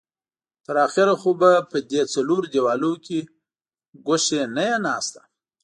تر اخره خو به په دې څلورو دېوالو کې ګوښې نه يې ناسته.